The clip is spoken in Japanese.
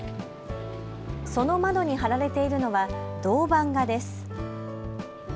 その窓に貼られているのは銅版画です。